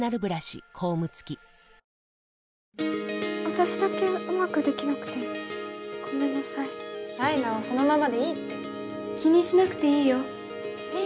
私だけうまくできなくてごめんなさい舞菜はそのままでいいって気にしなくていいよめい